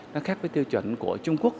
nó khác với tiêu chuẩn của trung quốc